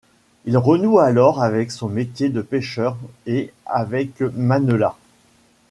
Il renoue alors avec son métier de pêcheur et avec Manela.